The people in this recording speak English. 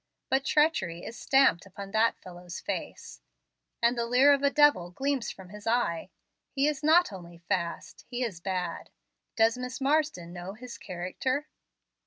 But treachery is stamped upon that fellow's face, and the leer of a devil gleams from his eye. He is not only fast, he is bad. Does Miss Marsden know his character?"